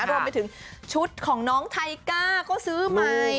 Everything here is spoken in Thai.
รวมไปถึงชุดของน้องไทก้าก็ซื้อใหม่